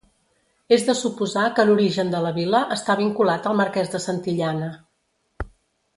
És de suposar que l'origen de la vila està vinculat al Marqués de Santillana.